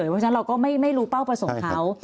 เพราะฉะนั้นเราก็ไม่รู้เป้าประสงค์เขา